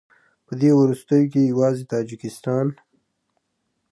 په دې وروستیو کې یوازې تاجکستان